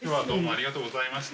ありがとうございます。